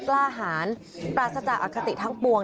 ล่าหารปราสาจาอคติทั้งปวง